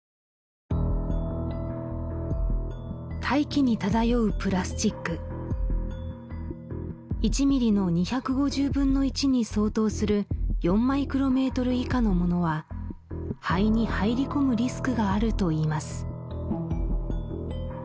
大気に漂うプラスチック１ミリの２５０分の１に相当する４マイクロメートル以下のものは肺に入り込むリスクがあるといいます